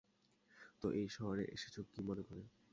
তো এই শহরে এসেছ কী মনে করে?